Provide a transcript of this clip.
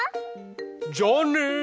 じゃあね。